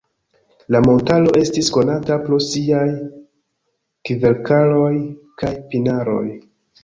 La montaro estis konata pro siaj kverkaroj kaj pinaroj.